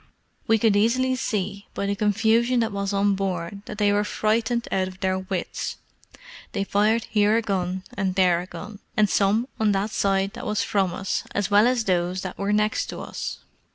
We could easily see, by the confusion that was on board, that they were frightened out of their wits; they fired here a gun and there a gun, and some on that side that was from us, as well as those that were next to us.